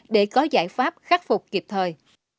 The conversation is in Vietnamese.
để có giải pháp khắc phục kịp thời